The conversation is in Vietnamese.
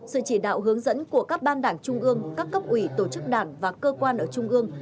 sự chỉ đạo hướng dẫn của các ban đảng trung ương các cấp ủy tổ chức đảng và cơ quan ở trung ương